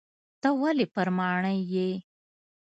ته ولي پر ماڼي یې ؟